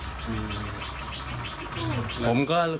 นี่ออกแกะบ้านไปอะไรกัน